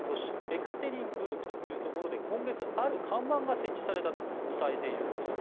エカテリンブルクというところで今月、ある看板が設置されたと伝えているんです。